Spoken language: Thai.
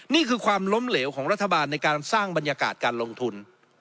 นี่คือความล้มเหลวของรัฐบาลในการสร้างบรรยากาศการลงทุน